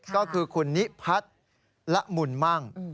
ก็คือคุณนิพัฒน์ละมุนมั่ง